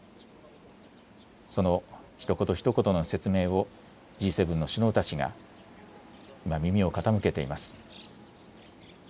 そのひと言、ひと言の説明をＧ７の首脳たちが今、耳を傾けています。